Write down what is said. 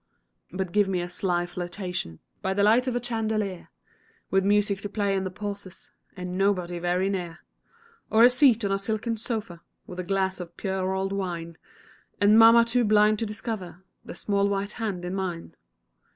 But give me a sly flirtation By the light of a chandelier With music to play in the pauses, And nobody very near; Or a seat on a silken sofa, With a glass of pure old wine, And mamma too blind to discover The small white hand in mine.